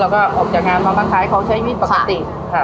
เราก็ออกจากงานมาบางครั้งเขาใช้วิบปกติ